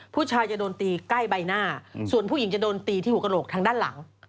ผู้ชายจะโดนตีใกล้ใบหน้าส่วนผู้หญิงจะโดนตีที่หัวกระโหลกทางด้านหลัง